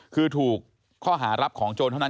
คือถูกข้อหารับของโจรเท่านั้น